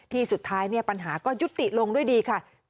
สุดท้ายปัญหาก็ยุติลงด้วยดีค่ะ